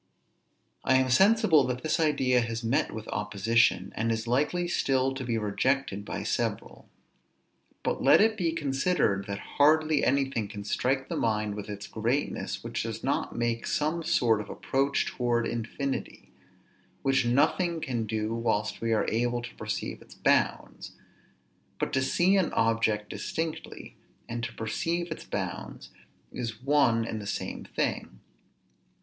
I am sensible that this idea has met with opposition, and is likely still to be rejected by several. But let it be considered that hardly anything can strike the mind with its greatness, which does not make some sort of approach towards infinity; which nothing can do whilst we are able to perceive its bounds; but to see an object distinctly, and to perceive its bounds, is one and the same thing.